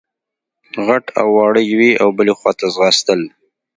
غټ او واړه يوې او بلې خواته ځغاستل.